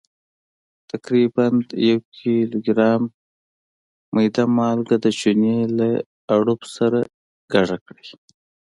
تقریبا یو کیلوګرام میده مالګه د چونې له اړوب سره ګډه کړئ.